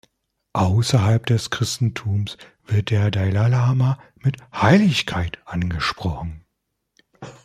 Außerhalb des Christentums wird der Dalai Lama mit "Heiligkeit" angesprochen.